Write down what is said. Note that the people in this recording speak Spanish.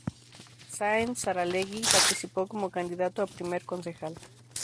Sáenz Saralegui participó como candidato a primer concejal.